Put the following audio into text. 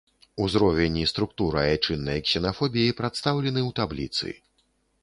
Узровень і структура айчыннай ксенафобіі прадстаўлены ў табліцы.